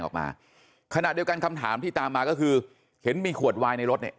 ออกมาขณะเดียวกันคำถามที่ตามมาก็คือเห็นมีขวดวายในรถเนี่ย